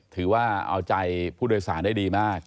ถือว่าเอาใจผู้โดยสารได้ดีมาก